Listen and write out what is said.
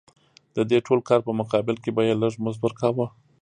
د دې ټول کار په مقابل کې به یې لږ مزد ورکاوه